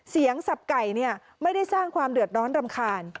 สับไก่ไม่ได้สร้างความเดือดร้อนรำคาญ